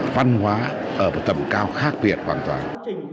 văn hóa ở một tầm cao khác biệt hoàn toàn